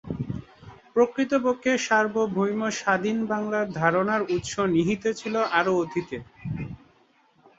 প্রকৃতপক্ষে সার্বভৌম স্বাধীন বাংলার ধারণার উৎস নিহিত ছিল আরও অতীতে।